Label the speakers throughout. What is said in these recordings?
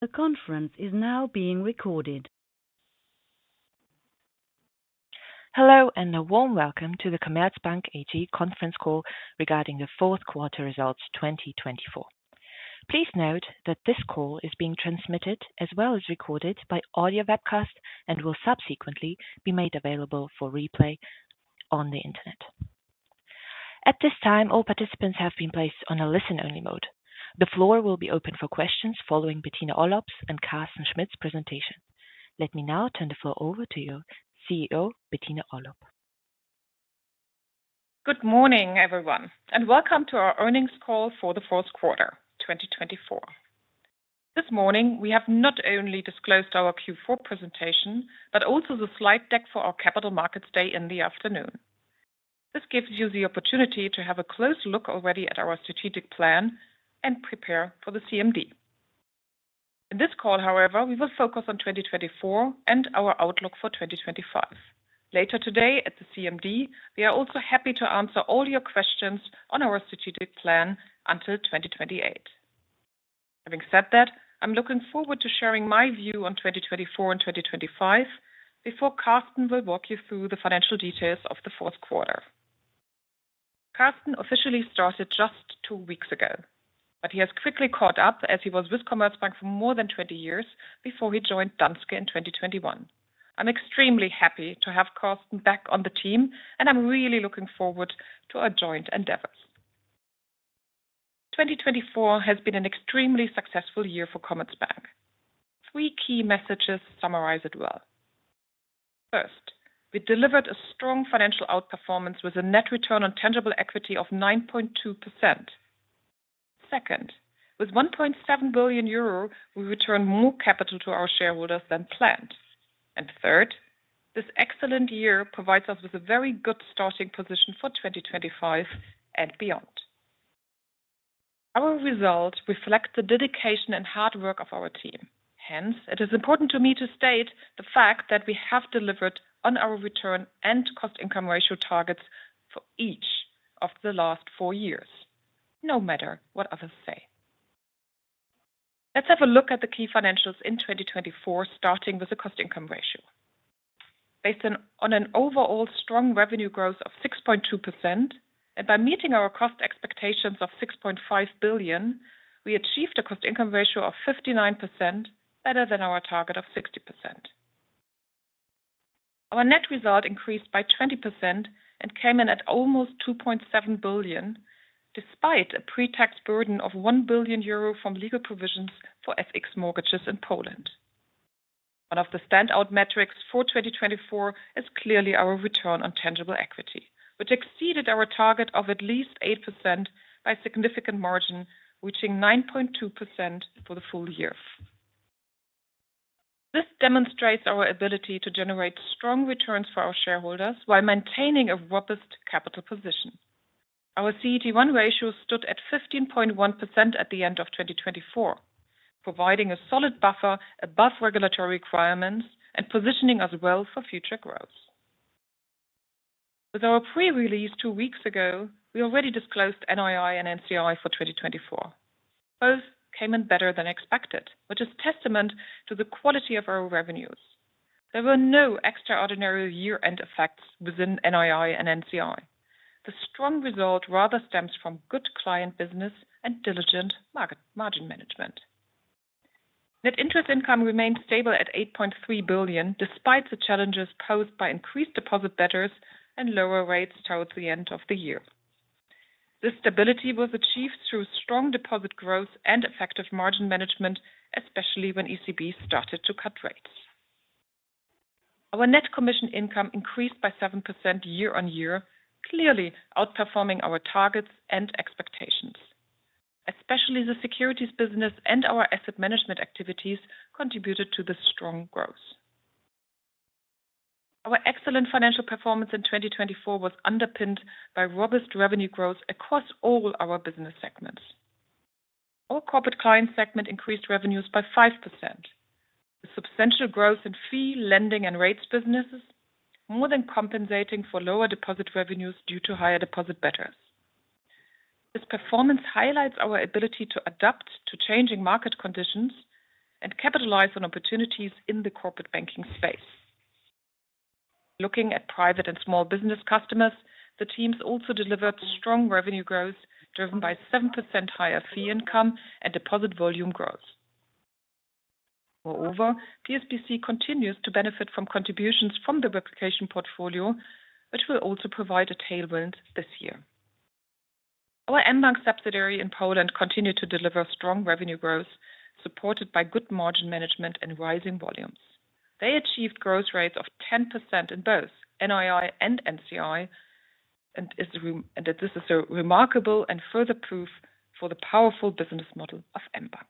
Speaker 1: The conference is now being recorded. Hello and a warm welcome to the Commerzbank AG conference call regarding the fourth quarter results 2024. Please note that this call is being transmitted as well as recorded by audio webcast and will subsequently be made available for replay on the internet. At this time, all participants have been placed on a listen-only mode. The floor will be open for questions following Bettina Orlopp's and Carsten Schmitt's presentation. Let me now turn the floor over to you, CEO Bettina Orlopp.
Speaker 2: Good morning, everyone, and welcome to our earnings call for the fourth quarter 2024. This morning, we have not only disclosed our Q4 presentation, but also the slide deck for our Capital Markets Day in the afternoon. This gives you the opportunity to have a close look already at our strategic plan and prepare for the CMD. In this call, however, we will focus on 2024 and our outlook for 2025. Later today at the CMD, we are also happy to answer all your questions on our strategic plan until 2028. Having said that, I'm looking forward to sharing my view on 2024 and 2025 before Carsten will walk you through the financial details of the fourth quarter. Carsten officially started just two weeks ago, but he has quickly caught up as he was with Commerzbank for more than 20 years before he joined Danske in 2021. I'm extremely happy to have Carsten back on the team, and I'm really looking forward to our joint endeavors. 2024 has been an extremely successful year for Commerzbank. Three key messages summarize it well. First, we delivered a strong financial outperformance with a net return on tangible equity of 9.2%. Second, with 1.7 billion euro, we returned more capital to our shareholders than planned. And third, this excellent year provides us with a very good starting position for 2025 and beyond. Our results reflect the dedication and hard work of our team. Hence, it is important to me to state the fact that we have delivered on our return and cost-income ratio targets for each of the last four years, no matter what others say. Let's have a look at the key financials in 2024, starting with the cost-income ratio. Based on an overall strong revenue growth of 6.2%, and by meeting our cost expectations of €6.5 billion, we achieved a cost-income ratio of 59%, better than our target of 60%. Our net result increased by 20% and came in at almost €2.7 billion, despite a pre-tax burden of €1 billion from legal provisions for FX mortgages in Poland. One of the standout metrics for 2024 is clearly our return on tangible equity, which exceeded our target of at least 8% by significant margin, reaching 9.2% for the full year. This demonstrates our ability to generate strong returns for our shareholders while maintaining a robust capital position. Our CET1 ratio stood at 15.1% at the end of 2024, providing a solid buffer above regulatory requirements and positioning us well for future growth. With our pre-release two weeks ago, we already disclosed NII and NCI for 2024. Both came in better than expected, which is testament to the quality of our revenues. There were no extraordinary year-end effects within NII and NCI. The strong result rather stems from good client business and diligent margin management. Net interest income remained stable at 8.3 billion, despite the challenges posed by increased deposit beta and lower rates towards the end of the year. This stability was achieved through strong deposit growth and effective margin management, especially when ECB started to cut rates. Our net commission income increased by 7% year over year, clearly outperforming our targets and expectations. Especially the securities business and our asset management activities contributed to this strong growth. Our excellent financial performance in 2024 was underpinned by robust revenue growth across all our business segments. Our Corporate Client segment increased revenues by 5%, with substantial growth in fee, lending, and rates businesses, more than compensating for lower deposit revenues due to higher deposit betas. This performance highlights our ability to adapt to changing market conditions and capitalize on opportunities in the corporate banking space. Looking at Private and Small-Business Customers, the teams also delivered strong revenue growth driven by 7% higher fee income and deposit volume growth. Moreover, PSBC continues to benefit from contributions from the replication portfolio, which will also provide a tailwind this year. Our mBank subsidiary in Poland continued to deliver strong revenue growth, supported by good margin management and rising volumes. They achieved growth rates of 10% in both NII and NCI, and this is a remarkable and further proof for the powerful business model of mBank.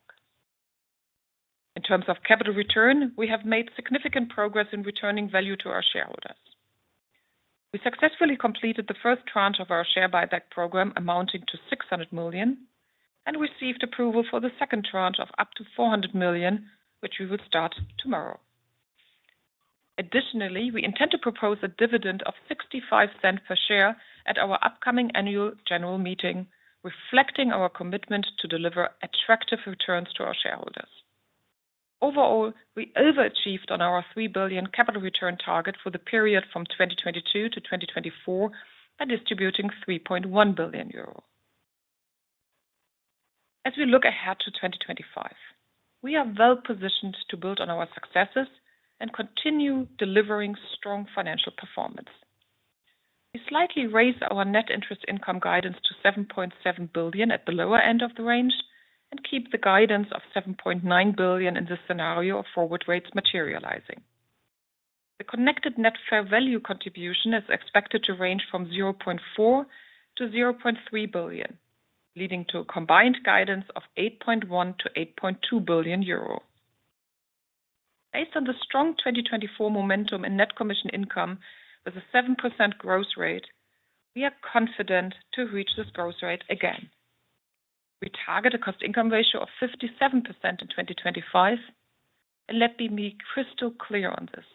Speaker 2: In terms of capital return, we have made significant progress in returning value to our shareholders. We successfully completed the first tranche of our share buyback program, amounting to €600 million, and received approval for the second tranche of up to €400 million, which we will start tomorrow. Additionally, we intend to propose a dividend of €0.65 per share at our upcoming annual general meeting, reflecting our commitment to deliver attractive returns to our shareholders. Overall, we overachieved on our €3 billion capital return target for the period from 2022 to 2024 by distributing €3.1 billion. As we look ahead to 2025, we are well positioned to build on our successes and continue delivering strong financial performance. We slightly raised our net interest income guidance to €7.7 billion at the lower end of the range and keep the guidance of €7.9 billion in this scenario of forward rates materializing. The connected Net Fair Value contribution is expected to range from €0.4 to €0.3 billion, leading to a combined guidance of €8.1 to €8.2 billion. Based on the strong 2024 momentum in Net Commission Income, with a 7% growth rate, we are confident to reach this growth rate again. We target a Cost-Income Ratio of 57% in 2025, and let me be crystal clear on this: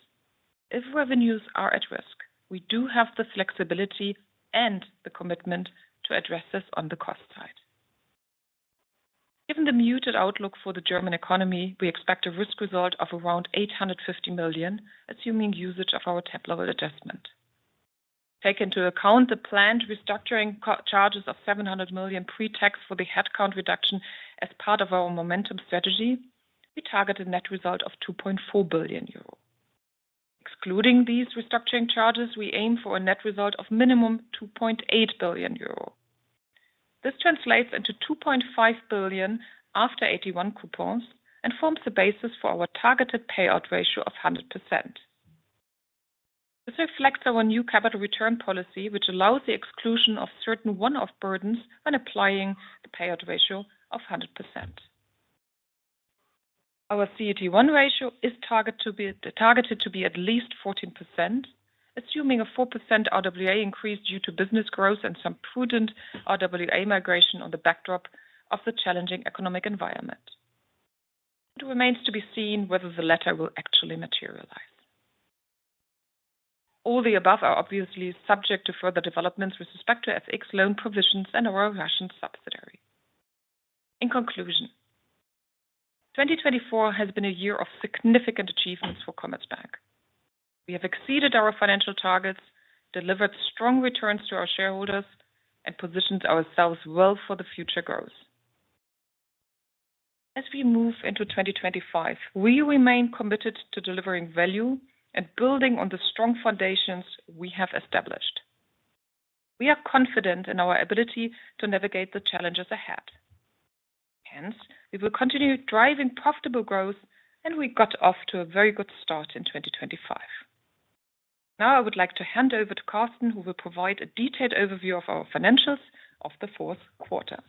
Speaker 2: if revenues are at risk, we do have the flexibility and the commitment to address this on the cost side. Given the muted outlook for the German economy, we expect a Risk Result of around €850 million, assuming usage of our top-level adjustment. Taking into account the planned restructuring charges of €700 million pre-tax for the headcount reduction as part of our momentum strategy, we target a net result of €2.4 billion. Excluding these restructuring charges, we aim for a net result of minimum €2.8 billion. This translates into €2.5 billion after AT1 coupons and forms the basis for our targeted payout ratio of 100%. This reflects our new capital return policy, which allows the exclusion of certain one-off burdens when applying the payout ratio of 100%. Our CET1 ratio is targeted to be at least 14%, assuming a 4% RWA increase due to business growth and some prudent RWA migration on the backdrop of the challenging economic environment. It remains to be seen whether the latter will actually materialize. All the above are obviously subject to further developments with respect to FX loan provisions and our Russian subsidiary. In conclusion, 2024 has been a year of significant achievements for Commerzbank. We have exceeded our financial targets, delivered strong returns to our shareholders, and positioned ourselves well for the future growth. As we move into 2025, we remain committed to delivering value and building on the strong foundations we have established. We are confident in our ability to navigate the challenges ahead. Hence, we will continue driving profitable growth, and we got off to a very good start in 2025. Now, I would like to hand over to Carsten, who will provide a detailed overview of our financials of the fourth quarter.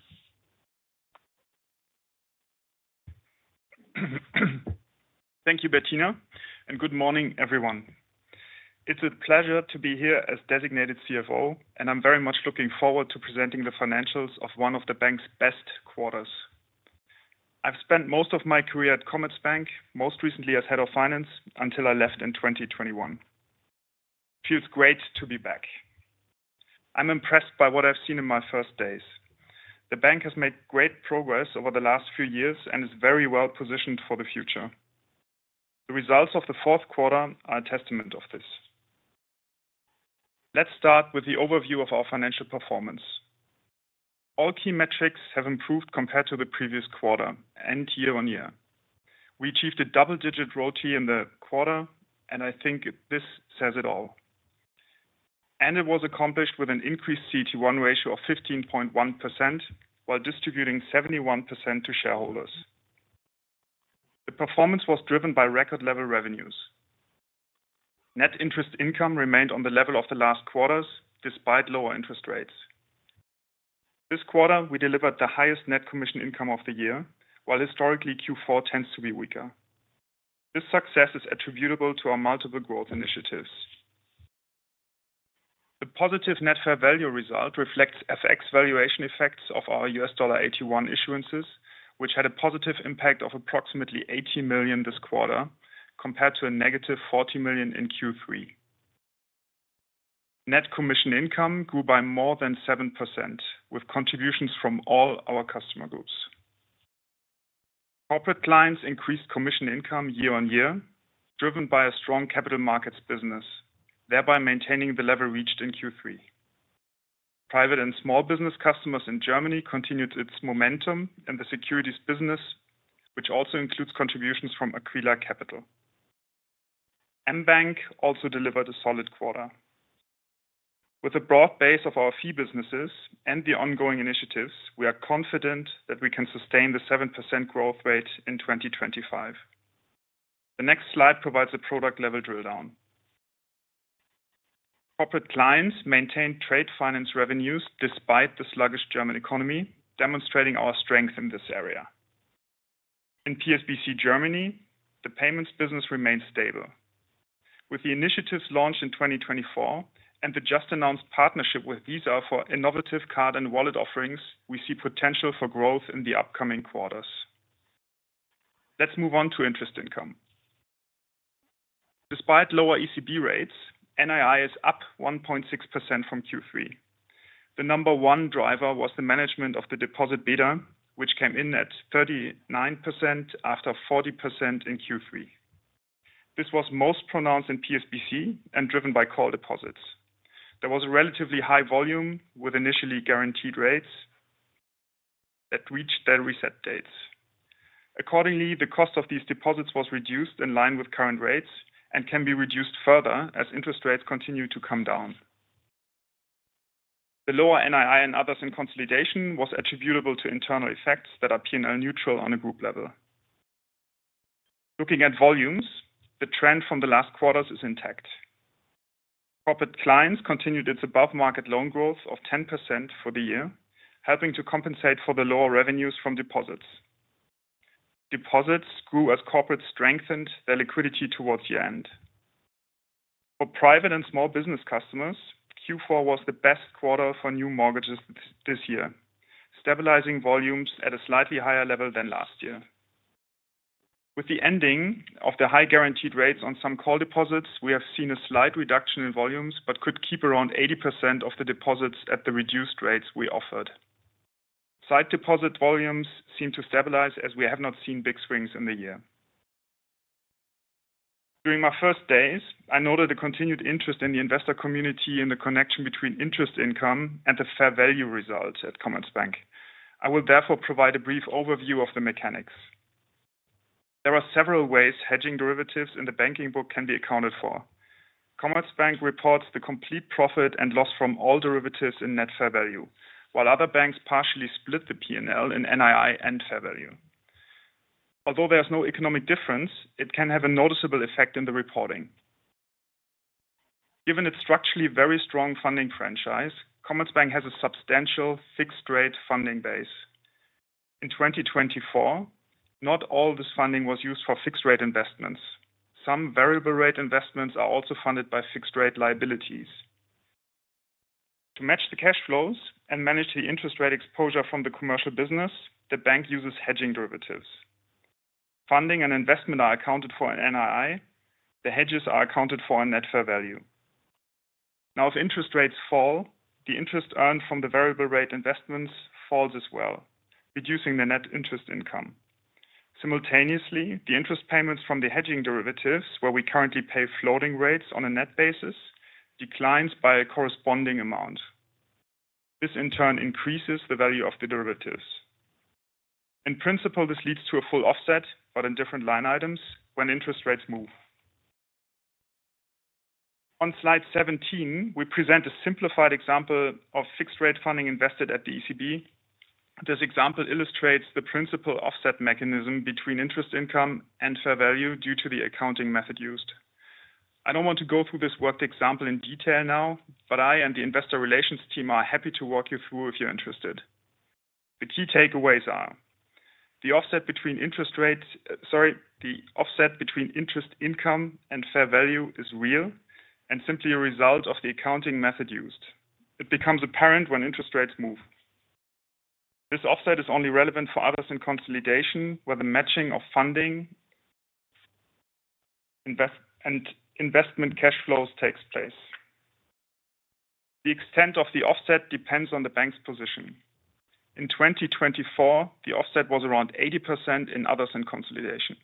Speaker 3: Thank you, Bettina, and good morning, everyone. It's a pleasure to be here as designated CFO, and I'm very much looking forward to presenting the financials of one of the bank's best quarters. I've spent most of my career at Commerzbank, most recently as head of finance, until I left in 2021. It feels great to be back. I'm impressed by what I've seen in my first days. The bank has made great progress over the last few years and is very well positioned for the future. The results of the fourth quarter are a testament to this. Let's start with the overview of our financial performance. All key metrics have improved compared to the previous quarter and year-on-year. We achieved a double-digit RoTE in the quarter, and I think this says it all. And it was accomplished with an increased CET1 ratio of 15.1% while distributing 71% to shareholders. The performance was driven by record-level revenues. Net interest income remained on the level of the last quarters, despite lower interest rates. This quarter, we delivered the highest net commission income of the year, while historically Q4 tends to be weaker. This success is attributable to our multiple growth initiatives. The positive net fair value result reflects FX valuation effects of our USD AT1 issuances, which had a positive impact of approximately 80 million this quarter, compared to a negative 40 million in Q3. Net commission income grew by more than 7%, with contributions from all our customer groups. Corporate clients increased commission income year-on-year, driven by a strong capital markets business, thereby maintaining the level reached in Q3. Private and small business customers in Germany continued its momentum and the securities business, which also includes contributions from Aquila Capital. mBank also delivered a solid quarter. With a broad base of our fee businesses and the ongoing initiatives, we are confident that we can sustain the 7% growth rate in 2025. The next slide provides a product-level drill-down. Corporate clients maintained trade finance revenues despite the sluggish German economy, demonstrating our strength in this area. In PSBC Germany, the payments business remained stable. With the initiatives launched in 2024 and the just-announced partnership with Visa for innovative card and wallet offerings, we see potential for growth in the upcoming quarters. Let's move on to interest income. Despite lower ECB rates, NII is up 1.6% from Q3. The number one driver was the management of the deposit beta, which came in at 39% after 40% in Q3. This was most pronounced in PSBC and driven by call deposits. There was a relatively high volume with initially guaranteed rates that reached their reset dates. Accordingly, the cost of these deposits was reduced in line with current rates and can be reduced further as interest rates continue to come down. The lower NII and others in consolidation was attributable to internal effects that are P&L neutral on a group level. Looking at volumes, the trend from the last quarters is intact. Corporate clients continued its above-market loan growth of 10% for the year, helping to compensate for the lower revenues from deposits. Deposits grew as corporates strengthened their liquidity towards year-end. For private and small business customers, Q4 was the best quarter for new mortgages this year, stabilizing volumes at a slightly higher level than last year. With the ending of the high guaranteed rates on some call deposits, we have seen a slight reduction in volumes but could keep around 80% of the deposits at the reduced rates we offered. Sight deposit volumes seem to stabilize as we have not seen big swings in the year. During my first days, I noted a continued interest in the investor community in the connection between interest income and the fair value result at Commerzbank. I will therefore provide a brief overview of the mechanics. There are several ways hedging derivatives in the banking book can be accounted for. Commerzbank reports the complete profit and loss from all derivatives in Net Fair Value, while other banks partially split the P&L in NII and fair value. Although there is no economic difference, it can have a noticeable effect in the reporting. Given its structurally very strong funding franchise, Commerzbank has a substantial fixed-rate funding base. In 2024, not all this funding was used for fixed-rate investments. Some variable-rate investments are also funded by fixed-rate liabilities. To match the cash flows and manage the interest rate exposure from the commercial business, the bank uses hedging derivatives. Funding and investment are accounted for in NII. The hedges are accounted for in net fair value. Now, if interest rates fall, the interest earned from the variable-rate investments falls as well, reducing the net interest income. Simultaneously, the interest payments from the hedging derivatives, where we currently pay floating rates on a net basis, declines by a corresponding amount. This, in turn, increases the value of the derivatives. In principle, this leads to a full offset, but in different line items, when interest rates move. On slide 17, we present a simplified example of fixed-rate funding invested at the ECB. This example illustrates the principal offset mechanism between interest income and fair value due to the accounting method used. I don't want to go through this worked example in detail now, but I and the investor relations team are happy to walk you through if you're interested. The key takeaways are: the offset between interest rates, sorry, the offset between interest income and fair value, is real and simply a result of the accounting method used. It becomes apparent when interest rates move. This offset is only relevant for others in consolidation, where the matching of funding and investment cash flows takes place. The extent of the offset depends on the bank's position. In 2024, the offset was around 80% in others in consolidation.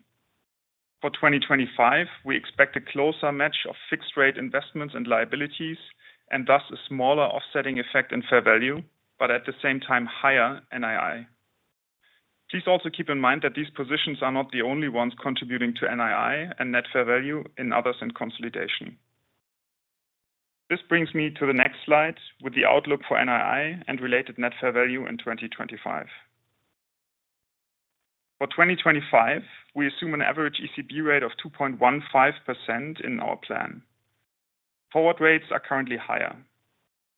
Speaker 3: For 2025, we expect a closer match of fixed-rate investments and liabilities and thus a smaller offsetting effect in fair value, but at the same time higher NII. Please also keep in mind that these positions are not the only ones contributing to NII and net fair value in others in consolidation. This brings me to the next slide with the outlook for NII and related net fair value in 2025. For 2025, we assume an average ECB rate of 2.15% in our plan. Forward rates are currently higher.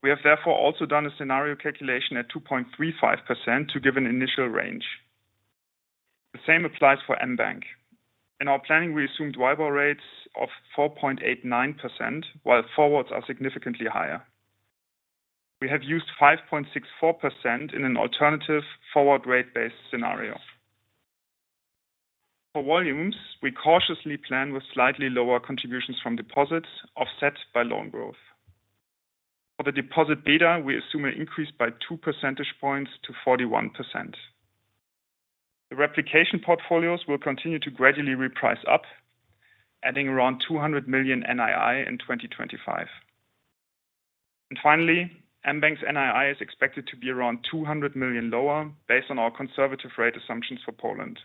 Speaker 3: We have therefore also done a scenario calculation at 2.35% to give an initial range. The same applies for MBANK. In our planning, we assumed WIBOR rates of 4.89%, while forwards are significantly higher. We have used 5.64% in an alternative forward rate-based scenario. For volumes, we cautiously plan with slightly lower contributions from deposits offset by loan growth. For the deposit beta, we assume an increase by two percentage points to 41%. The replication portfolios will continue to gradually reprice up, adding around 200 million NII in 2025. Finally, MBANK's NII is expected to be around 200 million lower based on our conservative rate assumptions for Poland.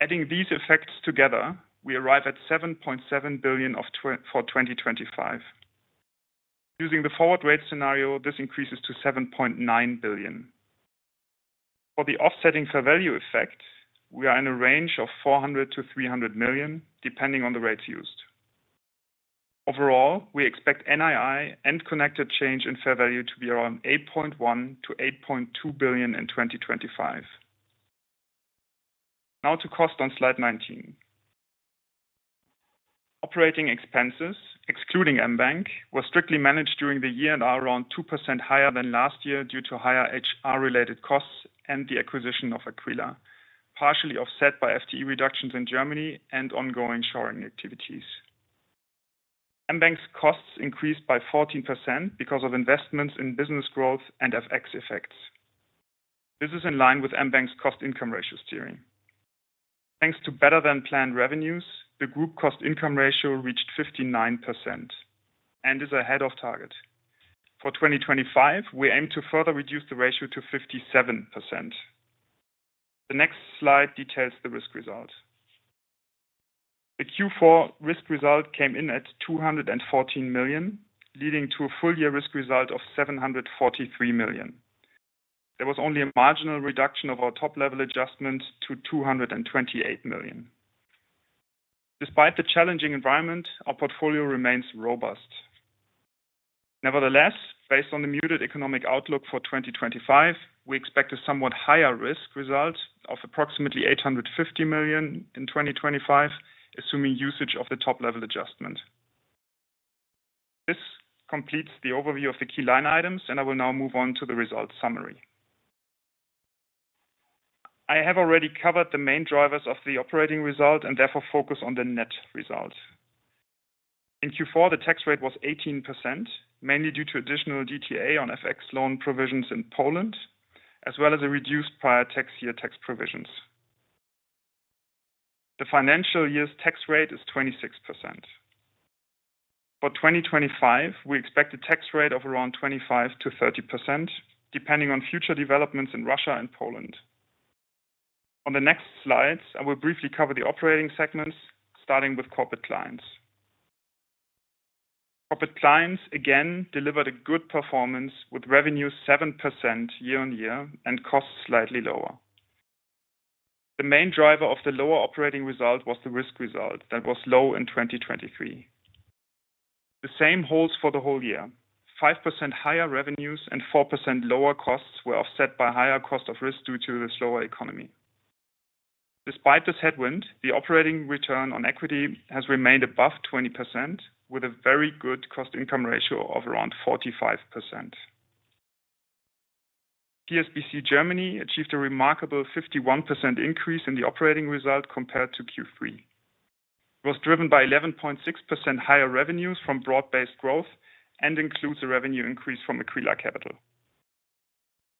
Speaker 3: Adding these effects together, we arrive at 7.7 billion for 2025. Using the forward rate scenario, this increases to 7.9 billion. For the offsetting fair value effect, we are in a range of 400 million-300 million, depending on the rates used. Overall, we expect NII and connected change in fair value to be around 8.1 billion-8.2 billion in 2025. Now to costs on slide 19. Operating expenses, excluding MBANK, were strictly managed during the year and are around 2% higher than last year due to higher HR-related costs and the acquisition of Aquila, partially offset by FTE reductions in Germany and ongoing shoring activities. MBANK's costs increased by 14% because of investments in business growth and FX effects. This is in line with MBANK's cost-income ratio target. Thanks to better-than-planned revenues, the group cost-income ratio reached 59% and is ahead of target. For 2025, we aim to further reduce the ratio to 57%. The next slide details the risk result. The Q4 risk result came in at 214 million, leading to a full-year risk result of 743 million. There was only a marginal reduction of our top-level adjustment to 228 million. Despite the challenging environment, our portfolio remains robust. Nevertheless, based on the muted economic outlook for 2025, we expect a somewhat higher risk result of approximately 850 million in 2025, assuming usage of the top-level adjustment. This completes the overview of the key line items, and I will now move on to the result summary. I have already covered the main drivers of the operating result and therefore focus on the net result. In Q4, the tax rate was 18%, mainly due to additional DTA on FX loan provisions in Poland, as well as a reduced prior tax year tax provisions. The financial year's tax rate is 26%. For 2025, we expect a tax rate of around 25%-30%, depending on future developments in Russia and Poland. On the next slides, I will briefly cover the operating segments, starting with corporate clients. Corporate clients again delivered a good performance with revenues 7% year-on-year and costs slightly lower. The main driver of the lower operating result was the risk result that was low in 2023. The same holds for the whole year. 5% higher revenues and 4% lower costs were offset by higher cost of risk due to the slower economy. Despite this headwind, the operating return on equity has remained above 20%, with a very good cost income ratio of around 45%. PSBC Germany achieved a remarkable 51% increase in the operating result compared to Q3. It was driven by 11.6% higher revenues from broad-based growth and includes a revenue increase from Aquila Capital.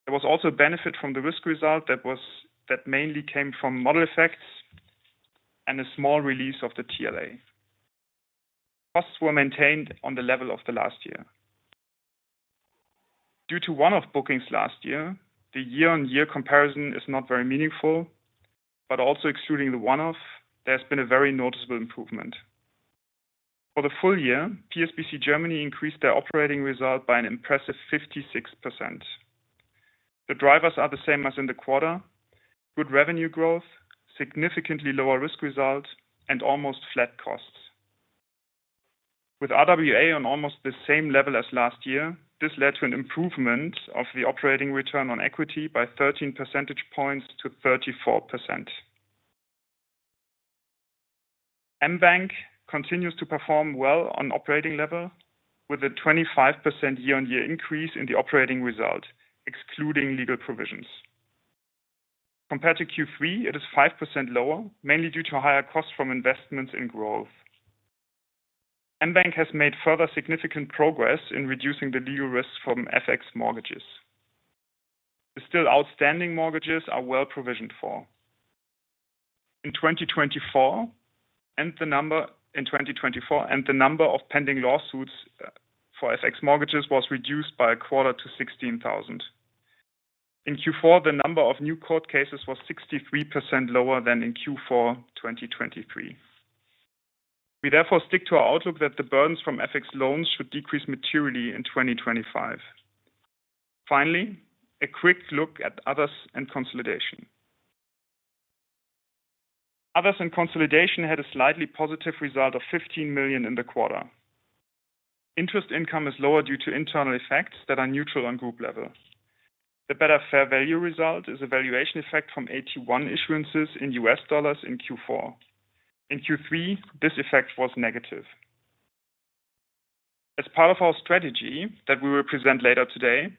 Speaker 3: There was also a benefit from the risk result that mainly came from model effects and a small release of the TLA. Costs were maintained on the level of the last year. Due to one-off bookings last year, the year-on-year comparison is not very meaningful, but also excluding the one-off, there has been a very noticeable improvement. For the full year, PSBC Germany increased their operating result by an impressive 56%. The drivers are the same as in the quarter: good revenue growth, significantly lower risk result, and almost flat costs. With RWA on almost the same level as last year, this led to an improvement of the operating return on equity by 13 percentage points to 34%. mBank continues to perform well on operating level, with a 25% year-on-year increase in the operating result, excluding legal provisions. Compared to Q3, it is 5% lower, mainly due to higher costs from investments in growth. mBank has made further significant progress in reducing the legal risks from FX mortgages. The still outstanding mortgages are well provisioned for. In 2024, the number of pending lawsuits for FX mortgages was reduced by a quarter to 16,000. In Q4, the number of new court cases was 63% lower than in Q4 2023. We therefore stick to our outlook that the burdens from FX loans should decrease materially in 2025. Finally, a quick look at others in consolidation. Others in consolidation had a slightly positive result of 15 million in the quarter. Interest income is lower due to internal effects that are neutral on group level. The better fair value result is a valuation effect from ATI1 issuances in US dollars in Q4. In Q3, this effect was negative. As part of our strategy that we will present later today,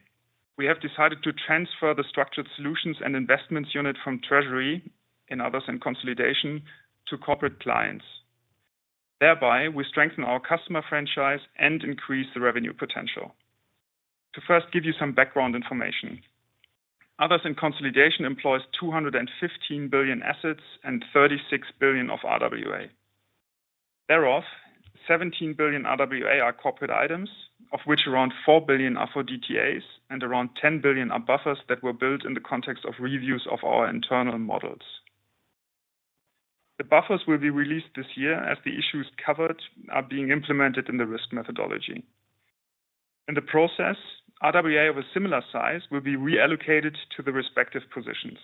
Speaker 3: we have decided to transfer the structured solutions and investments unit from Treasury in others in consolidation to corporate clients. Thereby, we strengthen our customer franchise and increase the revenue potential. To first give you some background information, others in consolidation employs 215 billion assets and 36 billion of RWA. Thereof, 17 billion RWA are corporate items, of which around 4 billion are for DTAs and around 10 billion are buffers that were built in the context of reviews of our internal models. The buffers will be released this year as the issues covered are being implemented in the risk methodology. In the process, RWA of a similar size will be reallocated to the respective positions.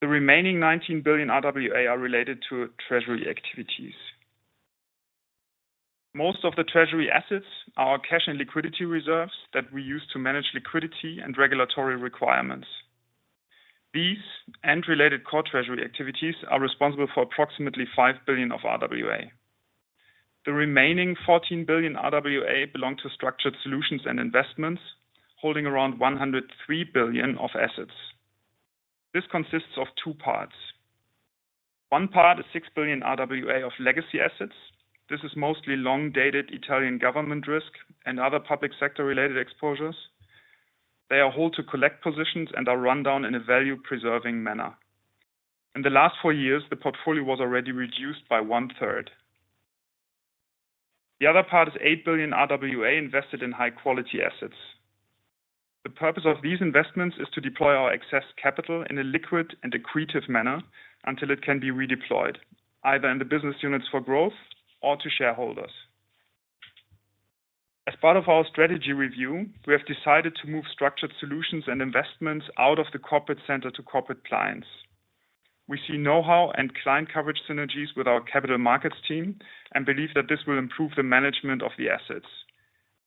Speaker 3: The remaining 19 billion RWA are related to Treasury activities. Most of the Treasury assets are our cash and liquidity reserves that we use to manage liquidity and regulatory requirements. These and related core Treasury activities are responsible for approximately 5 billion of RWA. The remaining 14 billion RWA belong to structured solutions and investments, holding around 103 billion of assets. This consists of two parts. One part is 6 billion RWA of legacy assets. This is mostly long-dated Italian government risk and other public sector-related exposures. They are hold to collect positions and are run down in a value-preserving manner. In the last four years, the portfolio was already reduced by one-third. The other part is 8 billion RWA invested in high-quality assets. The purpose of these investments is to deploy our excess capital in a liquid and accretive manner until it can be redeployed, either in the business units for growth or to shareholders. As part of our strategy review, we have decided to move structured solutions and investments out of the corporate center to Corporate Clients. We see know-how and client coverage synergies with our capital markets team and believe that this will improve the management of the assets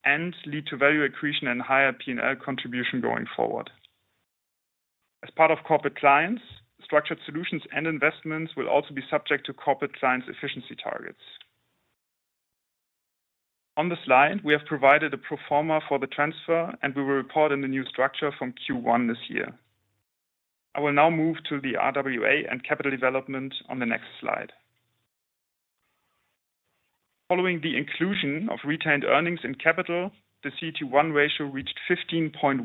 Speaker 3: and lead to value accretion and higher P&L contribution going forward. As part of Corporate Clients, structured solutions and investments will also be subject to Corporate Clients' efficiency targets. On the slide, we have provided a pro forma for the transfer, and we will report on the new structure from Q1 this year. I will now move to the RWA and capital development on the next slide. Following the inclusion of retained earnings in capital, the CET1 ratio reached 15.1%,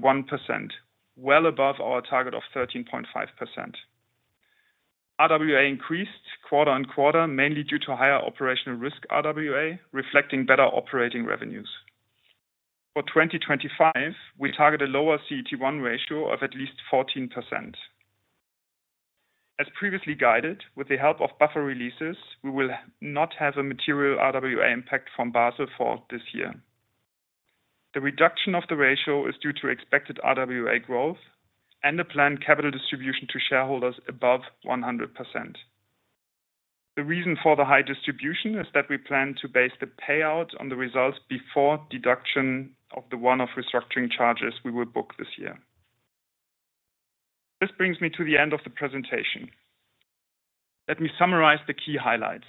Speaker 3: well above our target of 13.5%. RWA increased quarter on quarter, mainly due to higher operational risk RWA, reflecting better operating revenues. For 2025, we target a lower CET1 ratio of at least 14%. As previously guided, with the help of buffer releases, we will not have a material RWA impact from Basel for this year. The reduction of the ratio is due to expected RWA growth and the planned capital distribution to shareholders above 100%. The reason for the high distribution is that we plan to base the payout on the results before deduction of the one-off restructuring charges we will book this year. This brings me to the end of the presentation. Let me summarize the key highlights.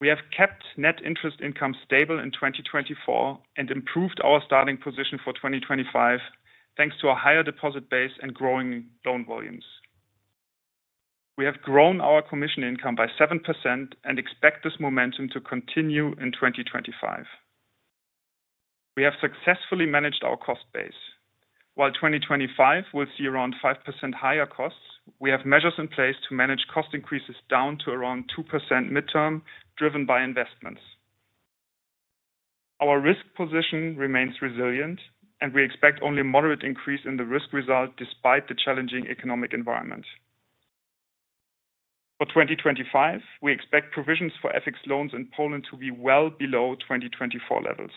Speaker 3: We have kept net interest income stable in 2024 and improved our starting position for 2025 thanks to a higher deposit base and growing loan volumes. We have grown our commission income by 7% and expect this momentum to continue in 2025. We have successfully managed our cost base. While 2025 will see around 5% higher costs, we have measures in place to manage cost increases down to around 2% midterm, driven by investments. Our risk position remains resilient, and we expect only a moderate increase in the risk result despite the challenging economic environment. For 2025, we expect provisions for FX loans in Poland to be well below 2024 levels.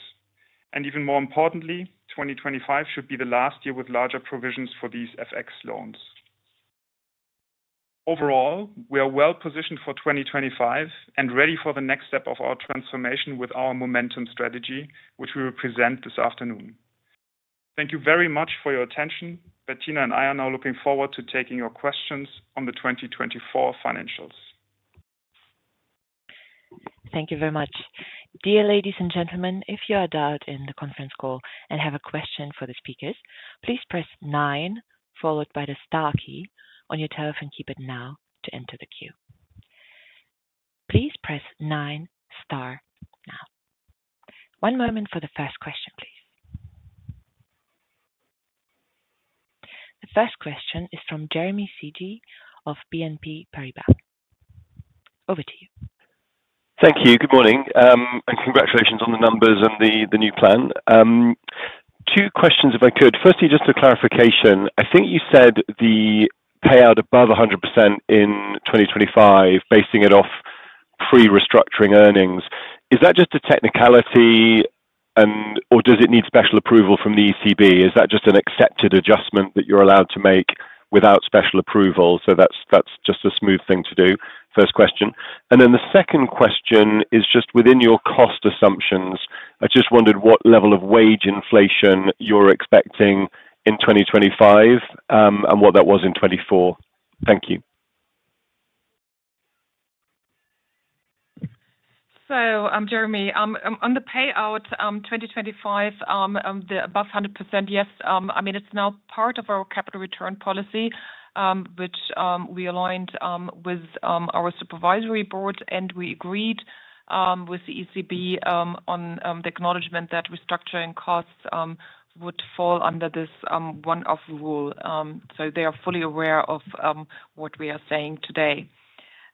Speaker 3: And even more importantly, 2025 should be the last year with larger provisions for these FX loans. Overall, we are well positioned for 2025 and ready for the next step of our transformation with our momentum strategy, which we will present this afternoon. Thank you very much for your attention. Bettina and I are now looking forward to taking your questions on the 2024 financials.
Speaker 1: Thank you very much. Dear ladies and gentlemen, if you are dialed in the conference call and have a question for the speakers, please press 9, followed by the star key on your telephone keypad now to enter the queue. Please press 9, star now. One moment for the first question, please. The first question is from Jeremy Sigee of BNP Paribas. Over to you.
Speaker 4: Thank you. Good morning, and congratulations on the numbers and the new plan. Two questions, if I could. Firstly, just a clarification. I think you said the payout above 100% in 2025, basing it off pre-restructuring earnings. Is that just a technicality, or does it need special approval from the ECB? Is that just an accepted adjustment that you're allowed to make without special approval? So that's just a smooth thing to do, first question. And then the second question is just within your cost assumptions. I just wondered what level of wage inflation you're expecting in 2025 and what that was in 2024. Thank you.
Speaker 2: So, Jeremy, on the payout 2025, the above 100%, yes. I mean, it's now part of our capital return policy, which we aligned with our supervisory board, and we agreed with the ECB on the acknowledgment that restructuring costs would fall under this one-off rule. So they are fully aware of what we are saying today.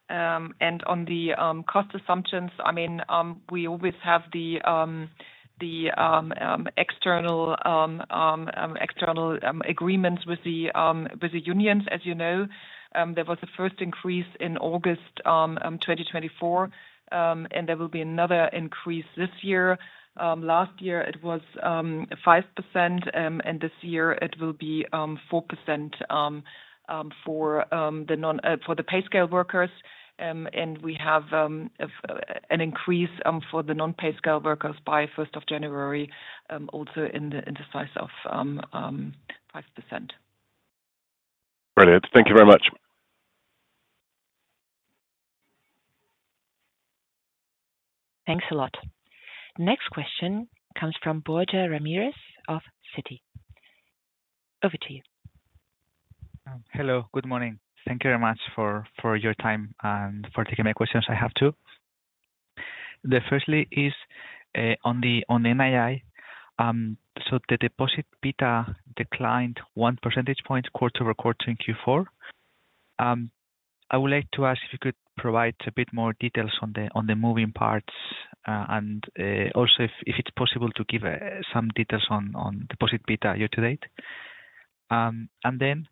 Speaker 2: And on the cost assumptions, I mean, we always have the external agreements with the unions, as you know. There was a first increase in August 2024, and there will be another increase this year. Last year, it was 5%, and this year, it will be 4% for the pay scale workers, and we have an increase for the non-pay scale workers by 1st of January, also in the size of 5%.
Speaker 4: Brilliant. Thank you very much.
Speaker 1: Thanks a lot. Next question comes from Borja Ramirez of Citi. Over to you.
Speaker 5: Hello. Good morning. Thank you very much for your time and for taking my questions. I have two. The firstly is on the NII. So the deposit beta declined one percentage point quarter over quarter in Q4. I would like to ask if you could provide a bit more details on the moving parts and also if it's possible to give some details on deposit beta year to date. And then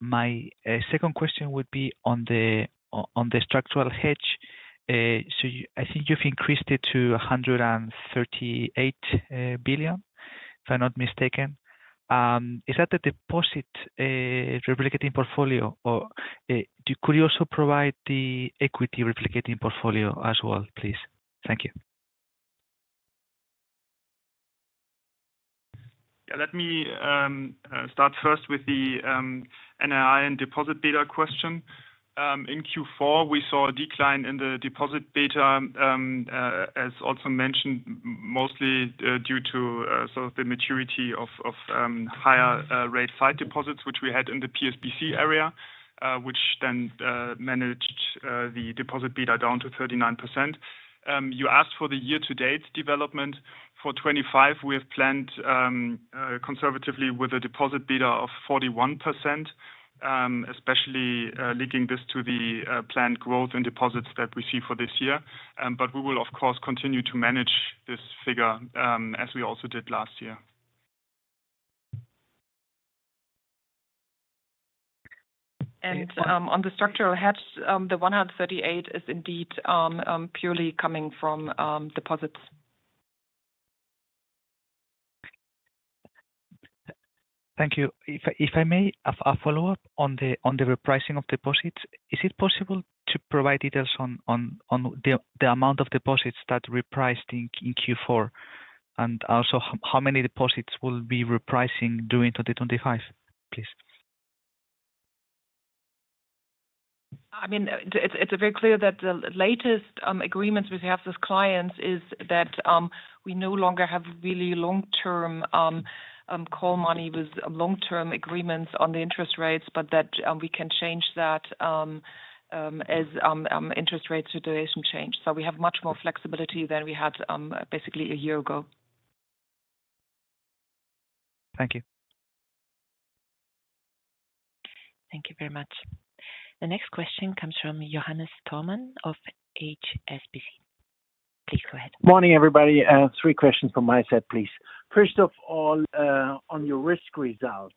Speaker 5: my second question would be on the structural hedge. So I think you've increased it to 138 billion, if I'm not mistaken. Is that the deposit replicating portfolio, or could you also provide the equity replicating portfolio as well, please? Thank you.
Speaker 3: Let me start first with the NII and deposit beta question. In Q4, we saw a decline in the deposit beta, as also mentioned, mostly due to the maturity of higher rate sight deposits, which we had in the PSBC area, which then managed the deposit beta down to 39%. You asked for the year-to-date development. For 2025, we have planned conservatively with a deposit beta of 41%, especially linking this to the planned growth in deposits that we see for this year. But we will, of course, continue to manage this figure as we also did last year.
Speaker 2: And on the structural hedge, the 138 is indeed purely coming from deposits.
Speaker 5: Thank you. If I may, a follow-up on the repricing of deposits. Is it possible to provide details on the amount of deposits that repriced in Q4? And also, how many deposits will be repricing during 2025, please?
Speaker 2: I mean, it's very clear that the latest agreements we have with clients is that we no longer have really long-term call money with long-term agreements on the interest rates, but that we can change that as interest rates situation change. So we have much more flexibility than we had basically a year ago.
Speaker 5: Thank you.
Speaker 1: Thank you very much. The next question comes from Johannes Thormann of HSBC. Please go ahead.
Speaker 6: Morning, everybody. Three questions from my side, please. First of all, on your risk result,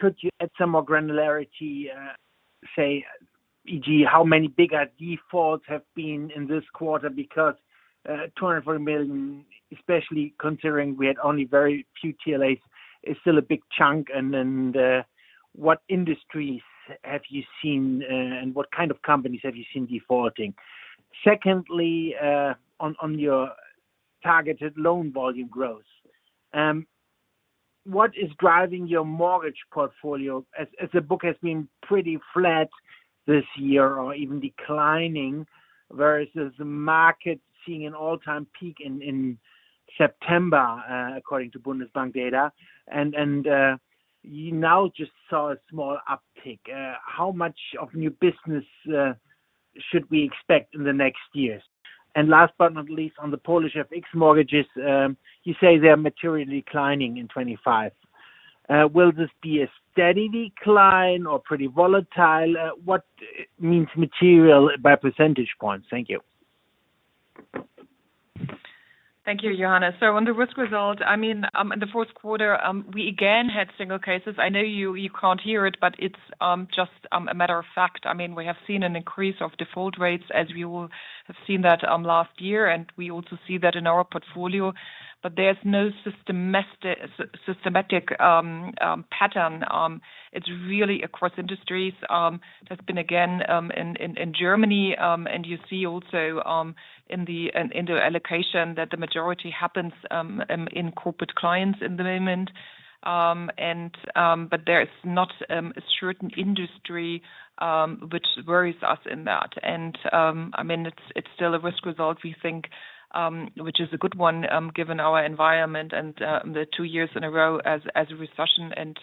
Speaker 6: could you add some more granularity? Say, e.g., how many bigger defaults have been in this quarter? Because 240 million, especially considering we had only very few TLAs, is still a big chunk. And then what industries have you seen, and what kind of companies have you seen defaulting? Secondly, on your targeted loan volume growth, what is driving your mortgage portfolio? As the book has been pretty flat this year or even declining versus the market seeing an all-time peak in September, according to Bundesbank data, and you now just saw a small uptick. How much of new business should we expect in the next year? And last but not least, on the Polish FX mortgages, you say they are materially declining in 2025. Will this be a steady decline or pretty volatile? What means material by percentage points? Thank you.
Speaker 2: Thank you, Johannes. So on the risk result, I mean, in the fourth quarter, we again had single cases. I know you can't hear it, but it's just a matter of fact. I mean, we have seen an increase of default rates, as you have seen that last year, and we also see that in our portfolio. But there's no systematic pattern. It's really across industries. It has been, again, in Germany, and you see also in the allocation that the majority happens in corporate clients in the moment. But there is not a certain industry which worries us in that. And I mean, it's still a risk result, we think, which is a good one given our environment and the two years in a row as a recession. And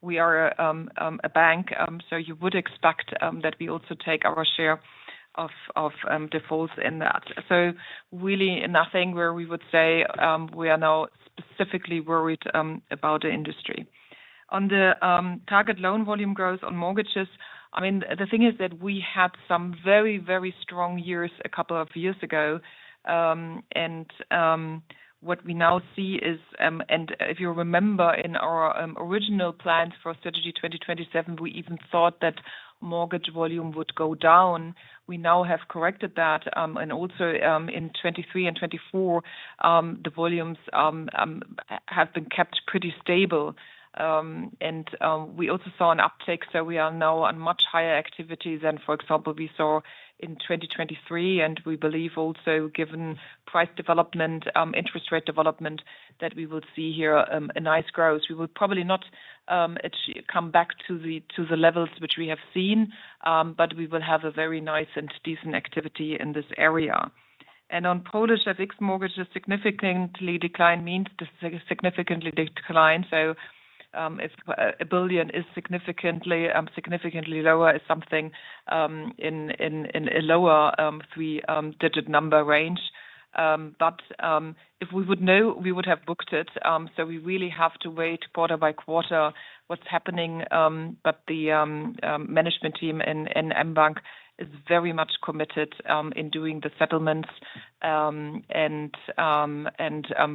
Speaker 2: we are a bank, so you would expect that we also take our share of defaults in that. Really nothing where we would say we are now specifically worried about the industry. On the target loan volume growth on mortgages, I mean, the thing is that we had some very, very strong years a couple of years ago. What we now see is, and if you remember, in our original plans for Strategy 2027, we even thought that mortgage volume would go down. We now have corrected that. Also in 2023 and 2024, the volumes have been kept pretty stable. We also saw an uptick, so we are now on much higher activity than, for example, we saw in 2023. We believe also, given price development, interest rate development, that we will see here a nice growth. We will probably not come back to the levels which we have seen, but we will have a very nice and decent activity in this area. On Polish FX mortgages, significantly decline means significantly decline. So if 1 billion is significantly lower, it's something in a lower three-digit number range. But if we would know, we would have booked it. So we really have to wait quarter by quarter what's happening. But the management team in mBank is very much committed in doing the settlements, and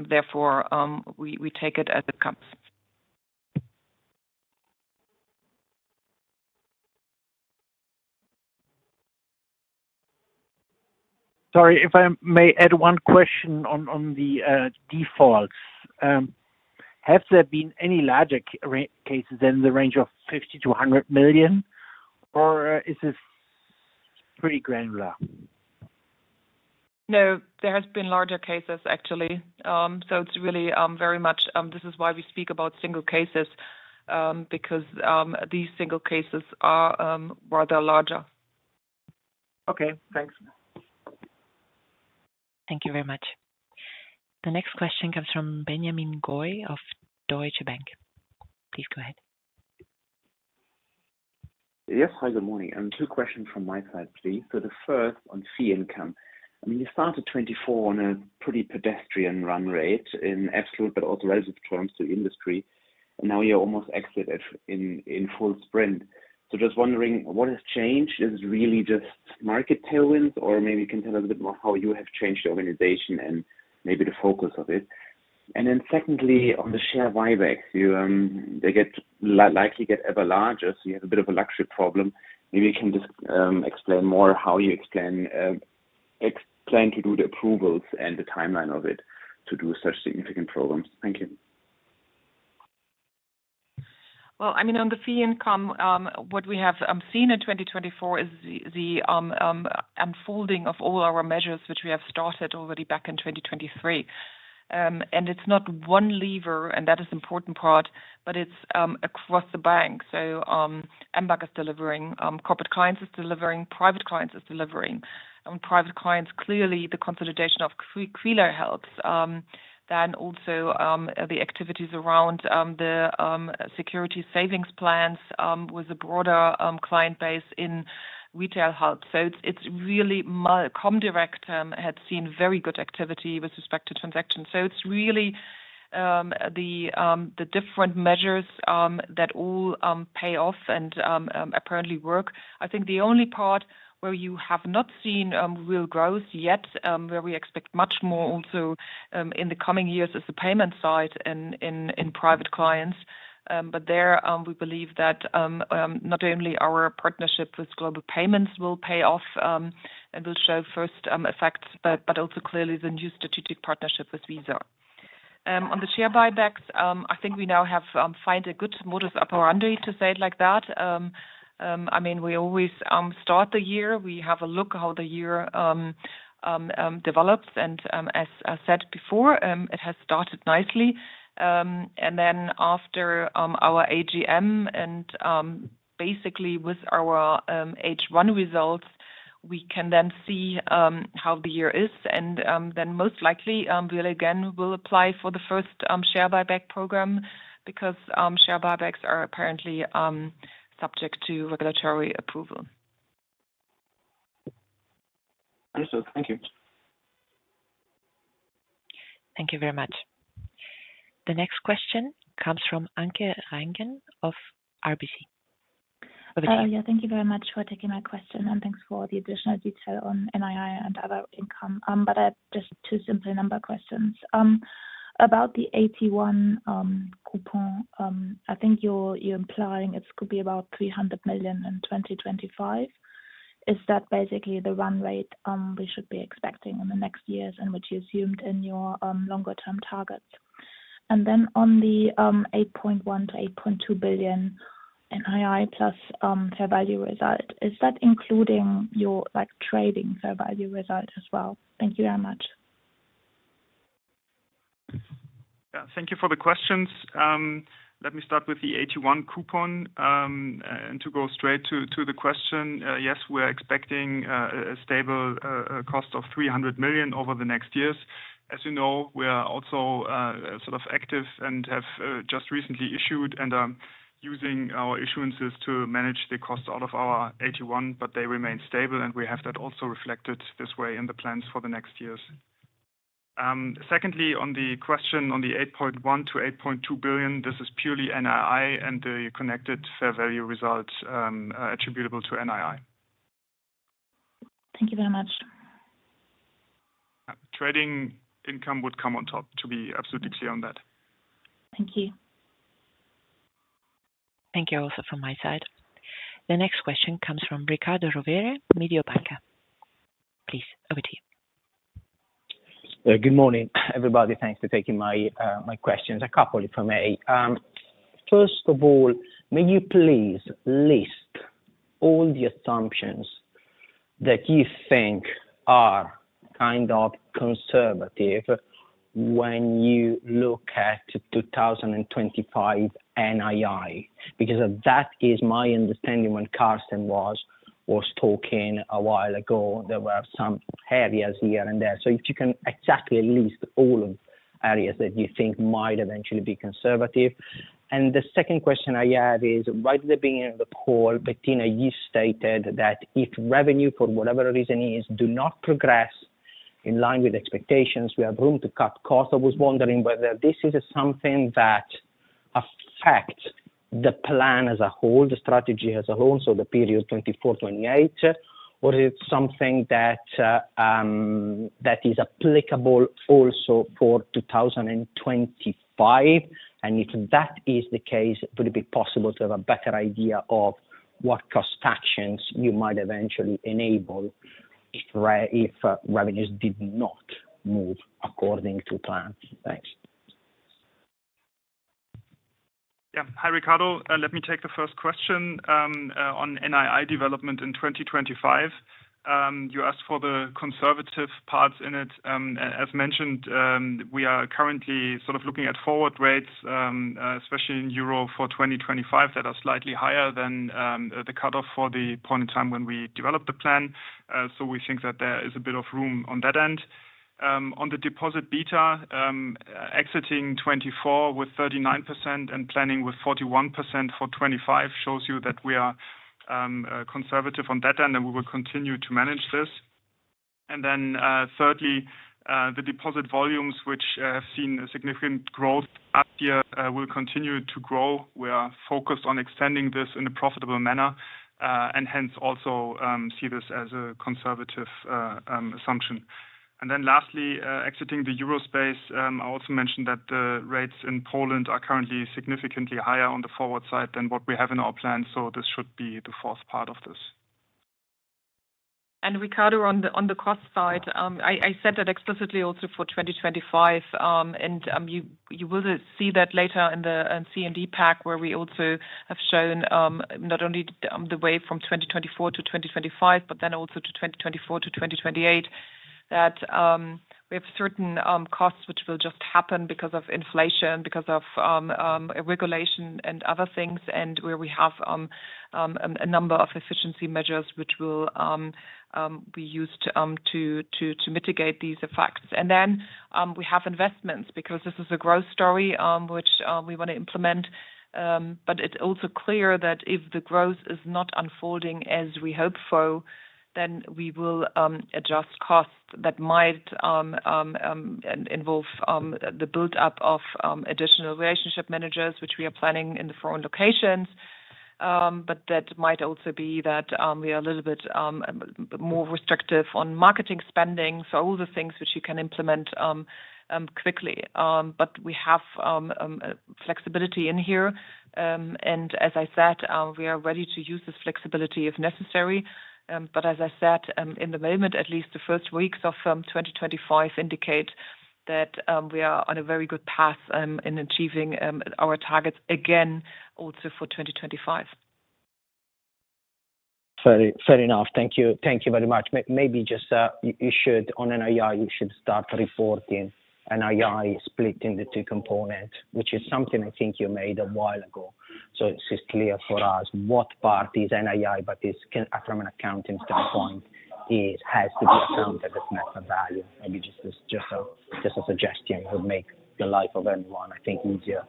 Speaker 2: therefore, we take it as it comes. Sorry, if I may add one question on the defaults. Has there been any larger cases than the range of 50 million-100 million, or is it pretty granular? No, there have been larger cases, actually. So it's really very much this is why we speak about single cases, because these single cases are rather larger.
Speaker 6: Okay. Thanks.
Speaker 1: Thank you very much. The next question comes from Benjamin Goy of Deutsche Bank. Please go ahead.
Speaker 7: Yes. Hi, good morning. Two questions from my side, please. So the first on fee income. I mean, you started 2024 on a pretty pedestrian run rate in absolute, but also relative terms to industry. And now you're almost exited in full sprint. So just wondering, what has changed? Is it really just market tailwinds, or maybe you can tell us a bit more how you have changed the organization and maybe the focus of it? And then secondly, on the share buybacks, they likely get ever larger. So you have a bit of a luxury problem. Maybe you can just explain more how you plan to do the approvals and the timeline of it to do such significant programs. Thank you.
Speaker 2: Well, I mean, on the fee income, what we have seen in 2024 is the unfolding of all our measures, which we have started already back in 2023. And it's not one lever, and that is an important part, but it's across the bank. So mBank is delivering, corporate clients are delivering, private clients are delivering. On private clients, clearly the consolidation of Aquila helps. Then also the activities around the securities savings plans with a broader client base in retail helps. So it's really Comdirect had seen very good activity with respect to transactions. So it's really the different measures that all pay off and apparently work. I think the only part where you have not seen real growth yet, where we expect much more also in the coming years, is the payment side in private clients. But there we believe that not only our partnership with Global Payments will pay off and will show first effects, but also clearly the new strategic partnership with Visa. On the share buybacks, I think we now have found a good modus operandi, to say it like that. I mean, we always start the year. We have a look at how the year develops. And as I said before, it has started nicely. And then after our AGM and basically with our H1 results, we can then see how the year is. And then most likely, we'll again apply for the first share buyback program because share buybacks are apparently subject to regulatory approval.
Speaker 7: Yes, sir. Thank you.
Speaker 1: Thank you very much. The next question comes from Anke Reingen of RBC.
Speaker 8: Yeah, thank you very much for taking my question, and thanks for the additional detail on NII and other income. But just two simple number questions. About the AT1 coupon, I think you're implying it could be about 300 million in 2025. Is that basically the run rate we should be expecting in the next years and which you assumed in your longer-term targets? And then on the 8.1 billion-8.2 billion NII plus fair value result, is that including your trading fair value result as well? Thank you very much.
Speaker 3: Thank you for the questions. Let me start with the AT1 coupon and to go straight to the question. Yes, we're expecting a stable cost of 300 million over the next years. As you know, we're also sort of active and have just recently issued and using our issuances to manage the cost out of our AT1, but they remain stable, and we have that also reflected this way in the plans for the next years. Secondly, on the question on the 8.1 billion-8.2 billion, this is purely NII and the connected fair value result attributable to NII.
Speaker 8: Thank you very much.
Speaker 3: Trading income would come on top, to be absolutely clear on that.
Speaker 1: Thank you. Thank you also from my side. The next question comes from Riccardo Rovere, Mediobanca. Please, over to you.
Speaker 9: Good morning, everybody. Thanks for taking my questions. A couple for me. First of all, may you please list all the assumptions that you think are kind of conservative when you look at 2025 NII? Because that is my understanding when Carsten was talking a while ago. There were some areas here and there. So if you can exactly list all of the areas that you think might eventually be conservative. And the second question I have is, right at the beginning of the call, Bettina, you stated that if revenue, for whatever reason it is, does not progress in line with expectations, we have room to cut costs. I was wondering whether this is something that affects the plan as a whole, the strategy as a whole, so the period 2024-2028, or is it something that is applicable also for 2025? And if that is the case, would it be possible to have a better idea of what cost actions you might eventually enable if revenues did not move according to plan? Thanks. Yeah.
Speaker 3: Hi, Ricardo. Let me take the first question on NII development in 2025. You asked for the conservative parts in it. As mentioned, we are currently sort of looking at forward rates, especially in euro for 2025, that are slightly higher than the cutoff for the point in time when we developed the plan. So we think that there is a bit of room on that end. On the deposit beta, exiting 2024 with 39% and planning with 41% for 2025 shows you that we are conservative on that end, and we will continue to manage this. And then thirdly, the deposit volumes, which have seen significant growth this year, will continue to grow. We are focused on extending this in a profitable manner, and hence also see this as a conservative assumption. And then lastly, exiting the euro space, I also mentioned that the rates in Poland are currently significantly higher on the forward side than what we have in our plan. So this should be the fourth part of this.
Speaker 2: Ricardo, on the cost side, I said that explicitly also for 2025, and you will see that later in the CMD pack, where we also have shown not only the way from 2024 to 2025, but then also to 2024 to 2028, that we have certain costs which will just happen because of inflation, because of regulation and other things, and where we have a number of efficiency measures which will be used to mitigate these effects. Then we have investments because this is a growth story which we want to implement. But it's also clear that if the growth is not unfolding as we hope for, then we will adjust costs that might involve the build-up of additional relationship managers, which we are planning in the foreign locations. But that might also be that we are a little bit more restrictive on marketing spending. So all the things which you can implement quickly. But we have flexibility in here. And as I said, we are ready to use this flexibility if necessary. But as I said, at the moment, at least the first weeks of 2025 indicate that we are on a very good path in achieving our targets again also for 2025.
Speaker 9: Fair enough. Thank you very much. Maybe just you should, on NII, you should start reporting NII split in the two components, which is something I think you made a while ago. So it's clear for us what part is NII, but from an accounting standpoint, it has to be accounted as net fair value. Maybe just a suggestion would make the life of anyone, I think, easier.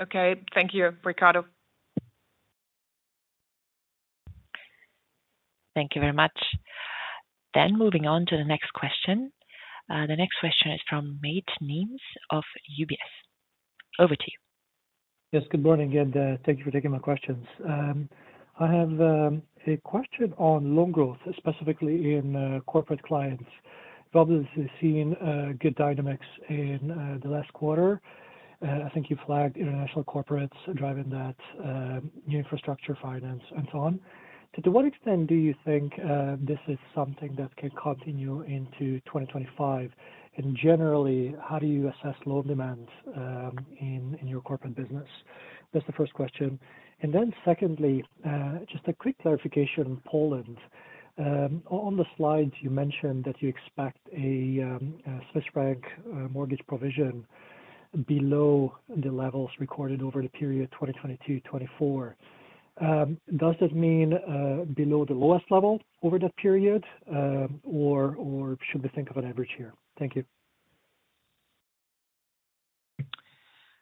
Speaker 9: Okay.
Speaker 2: Thank you, Ricardo.
Speaker 1: Thank you very much. Then moving on to the next question. The next question is from Mate Nemes of UBS. Over to you.
Speaker 10: Yes. Good morning, and thank you for taking my questions. I have a question on loan growth, specifically in corporate clients. You've obviously seen good dynamics in the last quarter. I think you flagged international corporates driving that new infrastructure finance and so on. To what extent do you think this is something that can continue into 2025? And generally, how do you assess loan demand in your corporate business? That's the first question. And then secondly, just a quick clarification on Poland. On the slides, you mentioned that you expect a Swiss franc mortgage provision below the levels recorded over the period 2022-2024. Does that mean below the lowest level over that period, or should we think of an average here? Thank you.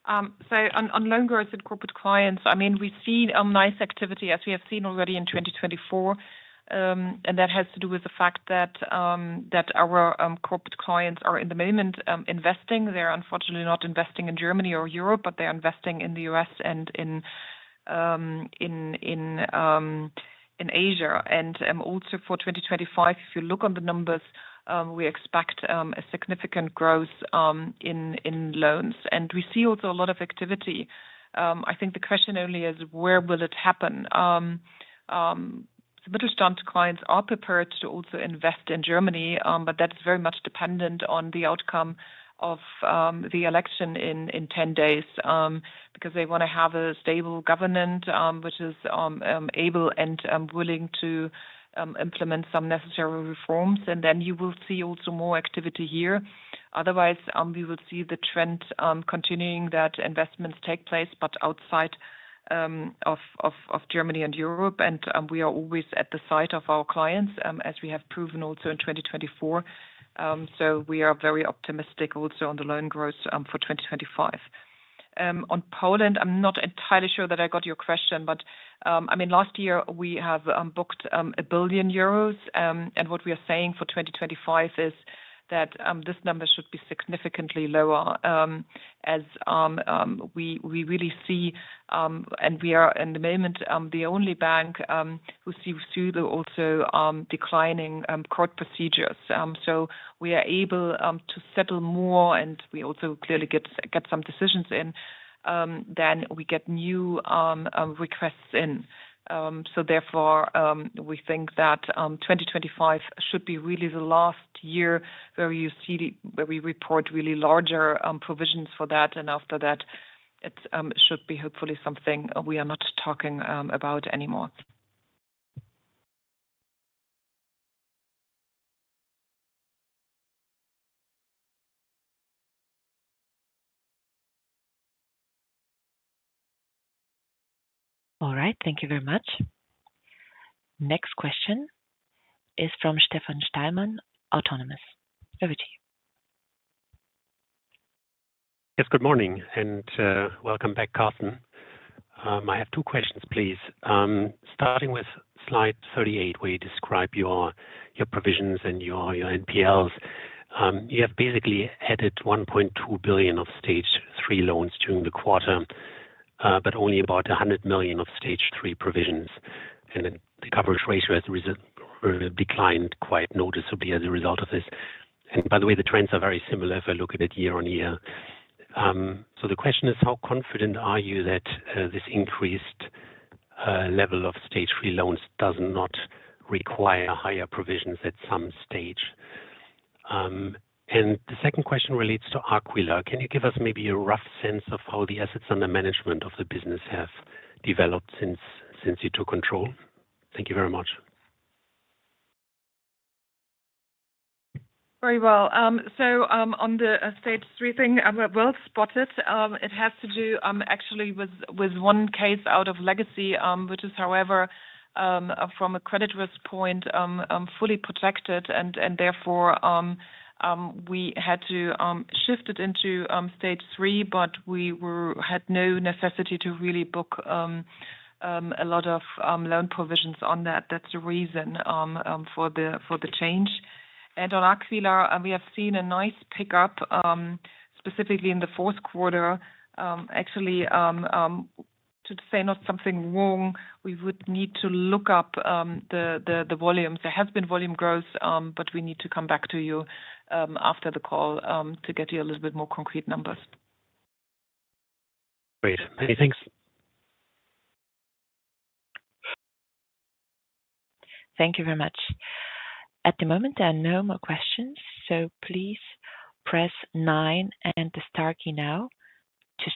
Speaker 2: So on loan growth in corporate clients, I mean, we've seen nice activity, as we have seen already in 2024. And that has to do with the fact that our corporate clients are at the moment investing. They're unfortunately not investing in Germany or Europe, but they're investing in the US and in Asia. And also for 2025, if you look at the numbers, we expect a significant growth in loans. And we see also a lot of activity. I think the question only is, where will it happen? The middle-standard clients are prepared to also invest in Germany, but that's very much dependent on the outcome of the election in 10 days because they want to have a stable government which is able and willing to implement some necessary reforms. And then you will see also more activity here. Otherwise, we will see the trend continuing that investments take place, but outside of Germany and Europe. We are always at the side of our clients, as we have proven also in 2024. So we are very optimistic also on the loan growth for 2025. On Poland, I'm not entirely sure that I got your question, but I mean, last year, we have booked 1 billion euros. And what we are saying for 2025 is that this number should be significantly lower as we really see. And we are in the moment the only bank who sees also declining court procedures. So we are able to settle more, and we also clearly get some decisions in, than we get new requests in. So therefore, we think that 2025 should be really the last year where we report really larger provisions for that. And after that, it should be hopefully something we are not talking about anymore.
Speaker 1: All right. Thank you very much. Next question is from Stefan Stalmann, Autonomous. Over to you.
Speaker 11: Yes. Good morning, and welcome back, Carsten. I have two questions, please. Starting with slide 38, where you describe your provisions and your NPLs, you have basically added 1.2 billion of Stage 3 loans during the quarter, but only about 100 million of Stage 3 provisions. And the coverage ratio has declined quite noticeably as a result of this. And by the way, the trends are very similar if I look at it year on year. So the question is, how confident are you that this increased level of Stage 3 loans does not require higher provisions at some Stage? And the second question relates to Aquila. Can you give us maybe a rough sense of how the assets under management of the business have developed since you took control? Thank you very much.
Speaker 2: Very well. On the Stage 3 thing, well spotted. It has to do actually with one case out of legacy, which is, however, from a credit risk point, fully protected. And therefore, we had to shift it into Stage 3, but we had no necessity to really book a lot of loan provisions on that. That's the reason for the change. And on Aquila, we have seen a nice pickup, specifically in the fourth quarter. Actually, to say not something wrong, we would need to look up the volumes. There has been volume growth, but we need to come back to you after the call to get you a little bit more concrete numbers.
Speaker 11: Great. Thanks.
Speaker 1: Thank you very much. At the moment, there are no more questions. So please press nine and the star key now to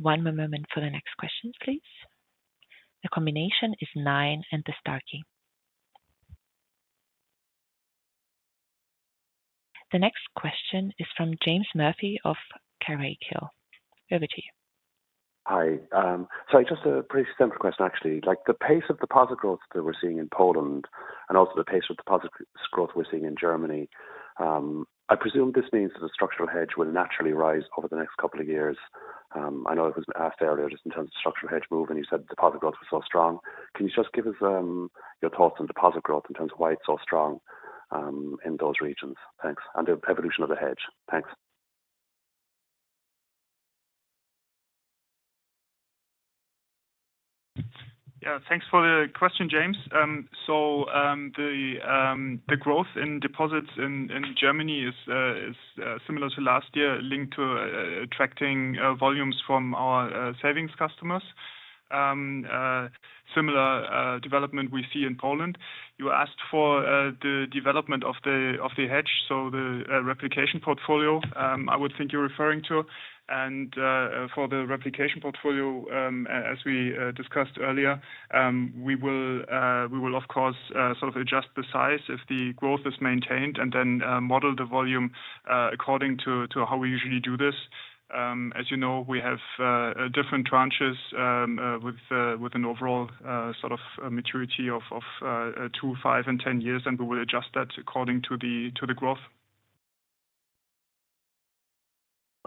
Speaker 1: state your question. One more moment for the next question, please. The combination is nine and the star key. The next question is from James Murphy of Carraighill. Over to you.
Speaker 12: Hi. Sorry, just a pretty simple question, actually. The pace of deposit growth that we're seeing in Poland and also the pace of deposit growth we're seeing in Germany. I presume this means that the structural hedge will naturally rise over the next couple of years. I know it was asked earlier just in terms of structural hedge move. And you said deposit growth was so strong. Can you just give us your thoughts on deposit growth in terms of why it's so strong in those regions? Thanks. And the evolution of the hedge. Thanks.
Speaker 3: Yeah. Thanks for the question, James. So the growth in deposits in Germany is similar to last year, linked to attracting volumes from our savings customers. Similar development we see in Poland. You asked for the development of the hedge, so the replication portfolio, I would think you're referring to. And for the replication portfolio, as we discussed earlier, we will, of course, sort of adjust the size if the growth is maintained and then model the volume according to how we usually do this. As you know, we have different tranches with an overall sort of maturity of two, five, and 10 years, and we will adjust that according to the growth.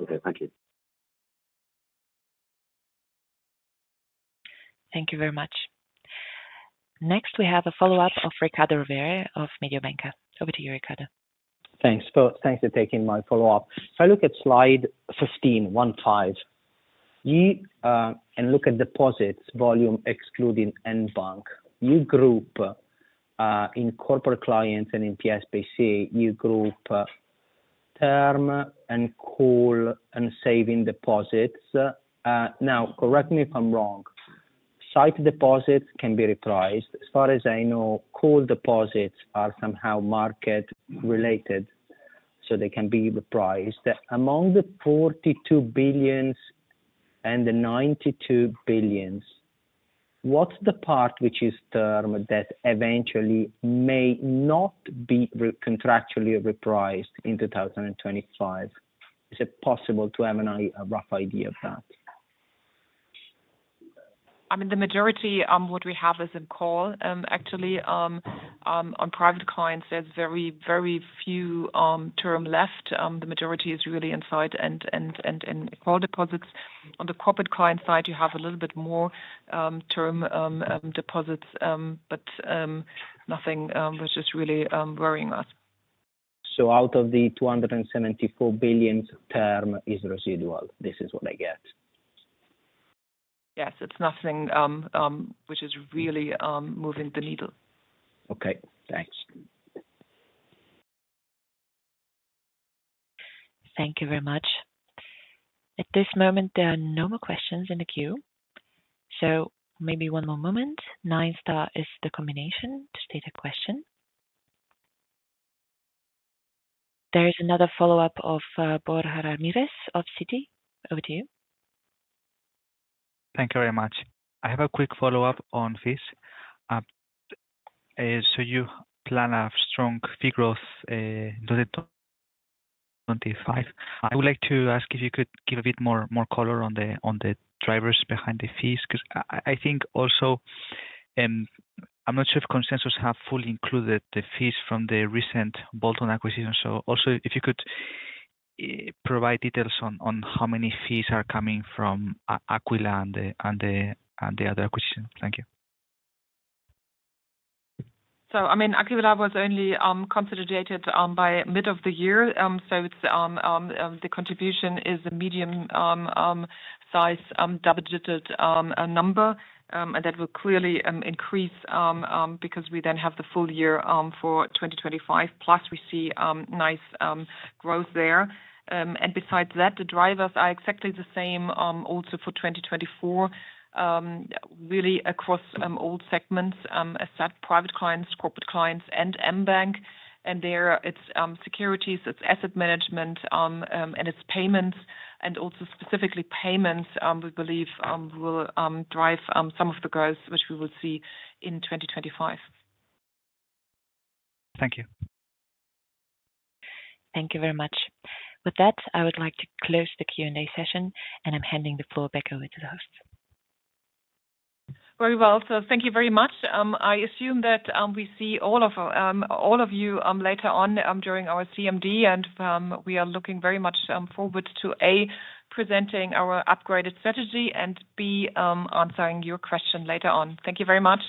Speaker 12: Okay. Thank you.
Speaker 1: Thank you very much. Next, we have a follow-up of Ricardo Rovere of Mediobanca. Over to you, Ricardo.
Speaker 9: Thanks for taking my follow-up. If I look at slide 15.15 and look at deposits volume excluding mBank, you group in corporate clients and in PSBC, you group term and call and saving deposits. Now, correct me if I'm wrong. Sight deposits can be repriced. As far as I know, call deposits are somehow market-related, so they can be repriced. Among the 42 billion and the 92 billion, what's the part which is term that eventually may not be contractually repriced in 2025? Is it possible to have a rough idea of that?
Speaker 2: I mean, the majority of what we have is in call. Actually, on private clients, there's very, very few term left. The majority is really sight and in call deposits. On the corporate client side, you have a little bit more term deposits, but nothing which is really worrying us.
Speaker 9: So out of the 274 billion, term is residual. This is what I get.
Speaker 2: Yes. It's nothing which is really moving the needle.
Speaker 9: Okay. Thanks.
Speaker 1: Thank you very much. At this moment, there are no more questions in the queue. So maybe one more moment. *9 is the combination to state a question. There is another follow-up from Borja Ramirez of Citi. Over to you.
Speaker 5: Thank you very much. I have a quick follow-up on fees. So you plan to have strong fee growth in 2025. I would like to ask if you could give a bit more color on the drivers behind the fees because I think also I'm not sure if consensus have fully included the fees from the recent bolt-on acquisition. So also, if you could provide details on how many fees are coming from Aquila and the other acquisitions. Thank you.
Speaker 2: So I mean, Aquila was only consolidated by mid of the year. So the contribution is a medium-sized double-digit number. And that will clearly increase because we then have the full year for 2025. Plus, we see nice growth there. And besides that, the drivers are exactly the same also for 2024, really across all segments as private clients, corporate clients, and mBank. And there, it's securities, it's asset management, and it's payments. And also, specifically, payments, we believe, will drive some of the growth which we will see in 2025.
Speaker 5: Thank you. Thank you very much.
Speaker 1: With that, I would like to close the Q&A session, and I'm handing the floor back over to the hosts. Very well. So thank you very much. I assume that we see all of you later on during our CMD, and we are looking very much forward to, A, presenting our upgraded strategy, and B, answering your question later on. Thank you very much.